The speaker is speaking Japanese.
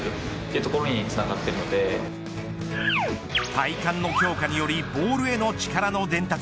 体幹の強化によりボールへの力の伝達